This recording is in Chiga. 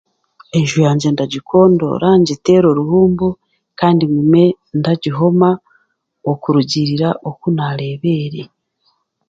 Enju yangye ndagikondoora, ngiteere oruhumbu, kandi ngume ndagihoma, okurugiirira oku naareeba eri.